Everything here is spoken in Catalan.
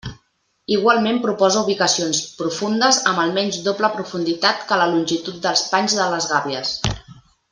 Igualment proposa ubicacions profundes amb almenys doble profunditat que la longitud dels panys de les gàbies.